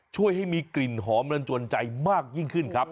ช่วยให้มีกลิ่นหอมมากยิ่งขึ้นครับ